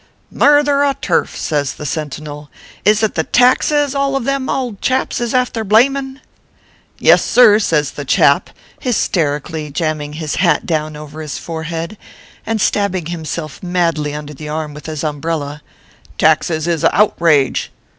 " Murther an turf!" says the sentinel, "is it the taxes all of them ould chaps is afther blaming ?"" Yessir !" says the chap, hysterically jamming his hat down over his forehead and stabbing himself madly under the arm with his umbrella. " Taxes is a outrage.